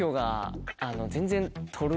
全然。